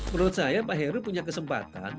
menurut saya pak heru punya kesempatan